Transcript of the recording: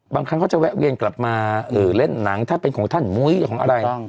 บางครั้งเขาจะแวะเวียนกลับมาเล่นหนังถ้าเป็นของท่านมุ้ยของอะไร